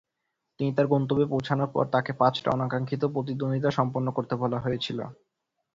তিনি তার গন্তব্যে পৌঁছানোর পর, তাকে পাঁচটা অনাকাঙ্ক্ষিত প্রতিদ্বন্দ্বিতা সম্পন্ন করতে বলা হয়েছিল।